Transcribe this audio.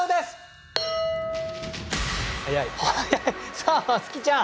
さあまつきちゃん。